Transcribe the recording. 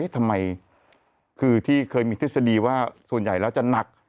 ทำไมคือที่เคยมีทฤษฎีว่าส่วนใหญ่แล้วจะหนัก